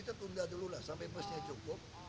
kita tunda dulu lah sampai busnya cukup